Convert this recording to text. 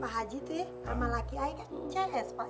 pak haji itu ya sama laki kan cs pak